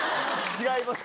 違います？